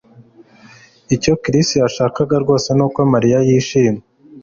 Icyo Chris yashakaga rwose nuko Mariya yishima